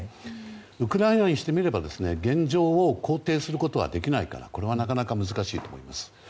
ウクライナにしてみれば、現状を肯定することはできないからこれはなかなか難しいと思います。